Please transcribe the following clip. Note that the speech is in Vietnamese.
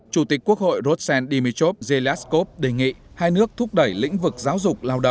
chủ tịch quốc hội rosen dimitrov zelenskov đề nghị hai nước thúc đẩy lĩnh vực giáo dục